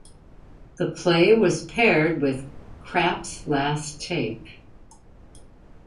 The play was paired with "Krapp's Last Tape".